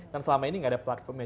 dan selama ini nggak ada platformnya